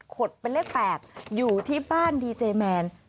ดเป็นเลข๘อยู่ที่บ้านดีเจแมน